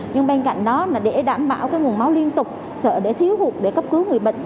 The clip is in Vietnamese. nhưng bên cạnh đó là để đảm bảo cái nguồn máu liên tục sợ để thiếu hụt để cấp cứu người bệnh